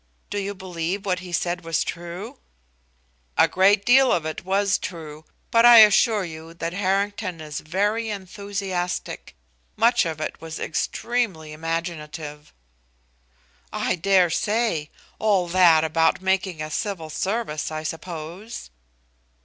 "Do you believe what he said was true?" "A great deal of it was true, but I assure you that Harrington is very enthusiastic. Much of it was extremely imaginative." "I dare say; all that about making a Civil Service, I suppose?"